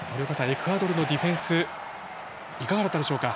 エクアドルのディフェンスいかがでしたか。